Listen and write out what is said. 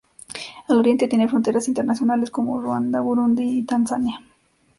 Al oriente tiene fronteras internacionales con Ruanda, Burundi y Tanzania.